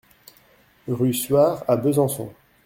Rue Suard à Besançon